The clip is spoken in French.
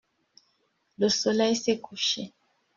Le soleil s’est couché.